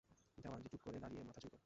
দেওয়ানজি চুপ করে দাঁড়িয়ে মাথা চুলকোয়।